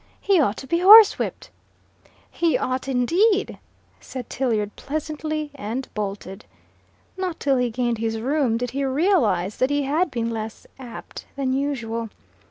He ought to be horsewhipped." "He ought, indeed," said Tilliard pleasantly, and bolted. Not till he gained his room did he realize that he had been less apt than usual.